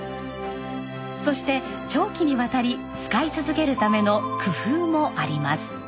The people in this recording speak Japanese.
そして長期にわたり使い続けるための工夫もあります。